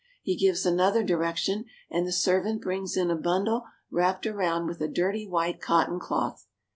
He gives another direction, and the servant brings in a bundle wrapped round with a dirty white cotton cloth.